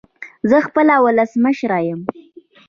زه خپله ولسمشر يم